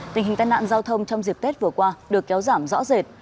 tình hình tai nạn giao thông trong dịp tết vừa qua được kéo giảm rõ rệt